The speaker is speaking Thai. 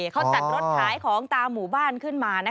เขาจัดรถขายของตามหมู่บ้านขึ้นมา